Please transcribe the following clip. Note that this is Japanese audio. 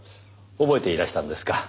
覚えていらしたんですか？